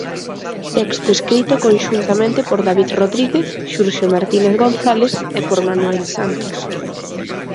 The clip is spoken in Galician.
Texto escrito conxuntamente por David Rodríguez, Xurxo Martínez González e por Manoel Santos.